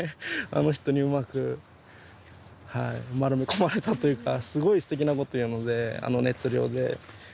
あの人にうまく丸め込まれたというかすごいすてきなことを言うのであの熱量で。